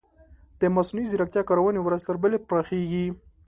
د مصنوعي ځیرکتیا کارونې ورځ تر بلې پراخیږي.